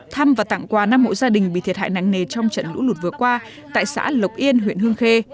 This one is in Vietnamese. thăm và tặng quà năm hộ gia đình bị thiệt hại nặng nề trong trận lũ lụt vừa qua tại xã lộc yên huyện hương khê